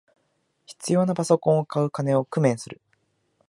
必要なパソコンを買う金を工面する